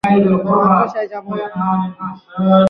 স্পষ্ট মনে আসছে না, কিন্তু তোমার চুলগুলো আগে কোথায় যেন দেখেছি।